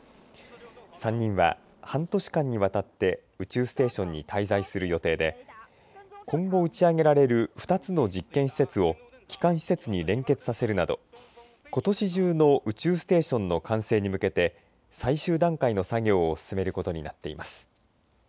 ３人は半年間にわたって宇宙ステーションに滞在する予定で今後打ち上げられる２つの実験施設を基幹施設に連結させるなどことし中の宇宙ステーションの完成に向けて最終段階の作業を進めることになっています。